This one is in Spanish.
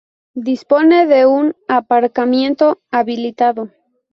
Dispone de un aparcamiento habilitado.